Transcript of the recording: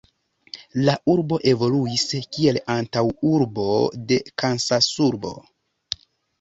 La urbo evoluis kiel antaŭurbo de Kansasurbo.